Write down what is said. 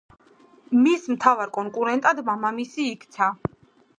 მის მთავარ კონკურენტად მამამისი იქცა.